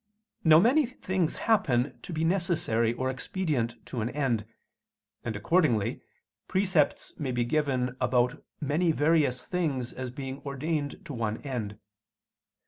Now many things may happen to be necessary or expedient to an end; and, accordingly, precepts may be given about various things as being ordained to one end.